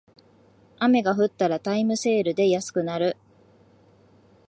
雨が降ったらタイムセールで安くなる